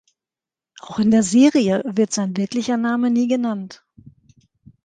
Auch in der Serie wird sein wirklicher Name nie genannt.